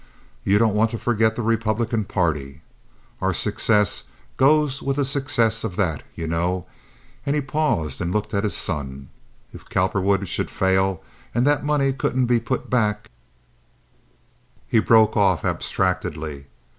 You don't want to forget the Republican party. Our success goes with the success of that, you know"—and he paused and looked at his son. "If Cowperwood should fail and that money couldn't be put back—" He broke off abstractedly.